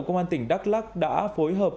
công an tỉnh đắk lắc đã phối hợp